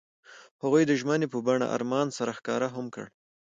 هغوی د ژمنې په بڼه آرمان سره ښکاره هم کړه.